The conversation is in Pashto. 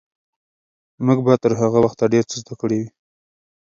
موږ به تر هغه وخته ډېر څه زده کړي وي.